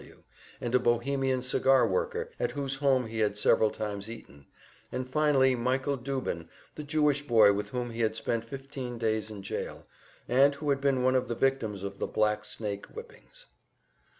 W., and a Bohemian cigar worker at whose home he had several times eaten, and finally Michael Dubin, the Jewish boy with whom he had spent fifteen days in jail, and who had been one of the victims of the black snake whippings.